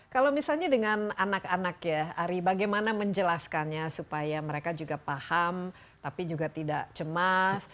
kalau misalnya dengan anak anak ya ari bagaimana menjelaskannya supaya mereka juga paham tapi juga tidak cemas